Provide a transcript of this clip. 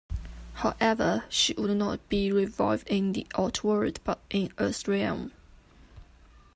However, she would not be revived in the Outworld, but in Earthrealm.